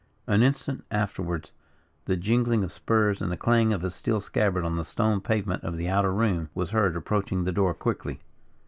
An instant afterwards the jingling of spurs and the clang of a steel scabbard on the stone pavement of the outer room was heard approaching the door quickly.